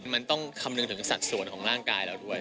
มันต้องคำนึงถึงสัดส่วนของร่างกายเราด้วย